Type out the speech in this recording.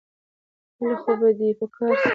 کله خو به دي په کار سم